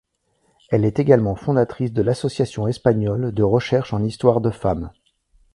Elle est également fondatrice de l’association espagnole de recherche en histoire de femmes.